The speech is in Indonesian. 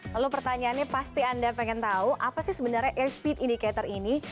lalu pertanyaannya pasti anda pengen tahu apa sih sebenarnya airspeed indicator ini